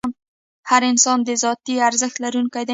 هر انسان د ذاتي ارزښت لرونکی دی.